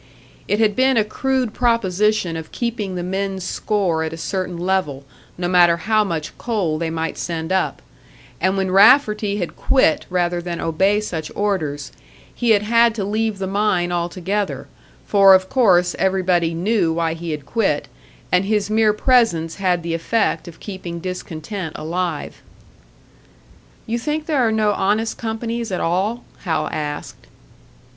It had been a crude proposition of keeping the men's score at a certain level, no matter how much coal they might send up; and when Rafferty had quit rather than obey such orders, he had had to leave the mine altogether; for of course everybody knew why he had quit, and his mere presence had the effect of keeping discontent alive. "You think there are no honest companies at all?" Hal asked.